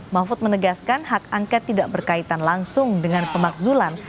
mahfud menegaskan hak angket tidak berkaitan langsung dengan pemakzulan